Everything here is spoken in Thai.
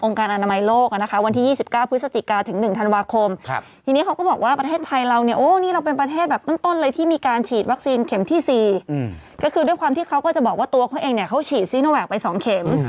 ก็คือด้วยความที่เขาก็จะบอกว่าตัวเขาเองเขาฉีดสินโอแฮกไป๒เข็ม